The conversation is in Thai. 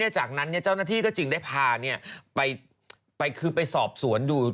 จากนั้นเจ้าหน้าที่ก็จึงได้พาไปคือไปสอบสวนดู